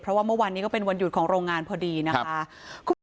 เพราะว่าเมื่อวานนี้ก็เป็นวันหยุดของโรงงานพอดีนะคะ